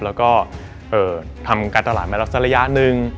แล้วก็ทำการตลาดมาแล้วสักระยะหนึ่ง